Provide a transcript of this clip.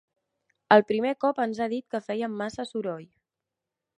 El primer cop ens ha dit que fèiem massa soroll.